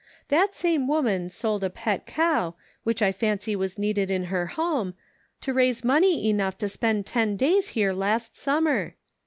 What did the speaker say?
That same woman sold a pet cow, which I fancy was needed in her home, to raise money enough to spend ten days here last summer